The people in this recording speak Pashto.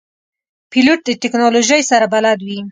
پیلوټ د تکنالوژۍ سره بلد وي.